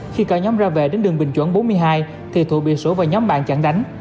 khi cả nhóm ra về đến đường bình chuẩn bốn mươi hai thì thụy bị số và nhóm bạn chặn đánh